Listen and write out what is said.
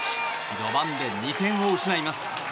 序盤で２点を失います。